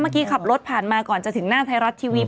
เมื่อกี้ขับรถผ่านมาก่อนจะถึงหน้าไทรัสทีวี